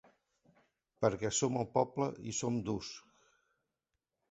Perquè som el poble i som durs!